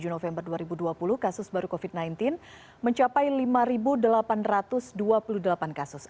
dua puluh november dua ribu dua puluh kasus baru covid sembilan belas mencapai lima delapan ratus dua puluh delapan kasus